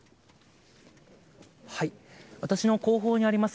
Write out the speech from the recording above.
私の後方にあります